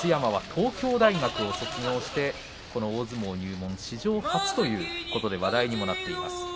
東京大学を卒業して大相撲入門史上初ということで話題にもなっています。